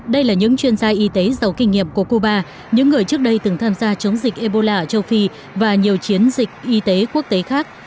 đây là những chuyên gia y tế giàu kinh nghiệm của cuba những người trước đây từng tham gia chống dịch ebola ở châu phi và nhiều chiến dịch y tế quốc tế khác